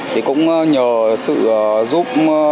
thì cũng nhờ sự giúp